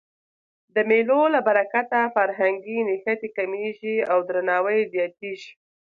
د مېلو له برکته فرهنګي نښتي کمېږي او درناوی زیاتېږي.